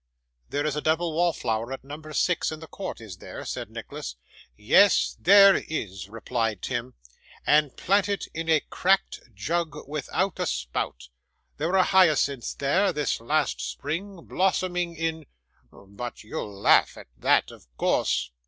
'There is a double wallflower at No. 6, in the court, is there?' said Nicholas. 'Yes, is there!' replied Tim, 'and planted in a cracked jug, without a spout. There were hyacinths there, this last spring, blossoming, in but you'll laugh at that, of course.